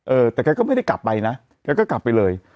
เออแต่แกก็ไม่ได้กลับไปนะแกก็กลับไปเลย